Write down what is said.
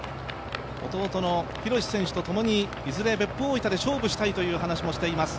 弟の宏選手とともにいずれ別府大分で勝負したいと話しています。